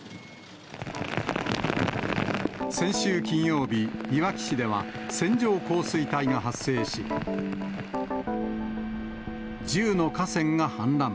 先週金曜日、いわき市では線状降水帯が発生し、１０の河川が氾濫。